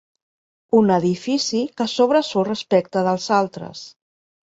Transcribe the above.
Un edifici que sobresurt respecte dels altres.